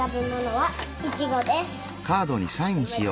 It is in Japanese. はい。